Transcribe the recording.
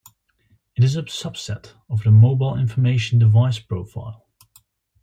It is a subset of the Mobile Information Device Profile.